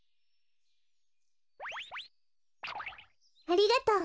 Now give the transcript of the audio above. ありがとう。